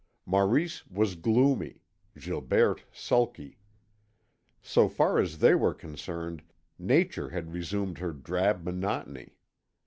Maurice was gloomy, Gilberte sulky. So far as they were concerned Nature had resumed her drab monotony.